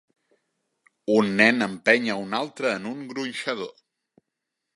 Un nen empeny a un altre en un gronxador.